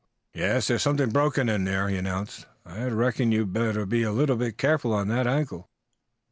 "Yes, there's something broken in there," he announced. "I reckon you'd better be a leetle bit careful of that ankle."